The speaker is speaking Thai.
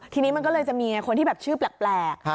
ทีนี้มันก็เลยจะมีอย่างไรคนที่ชื่อแปลก